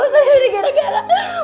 terima kasih tuhan on character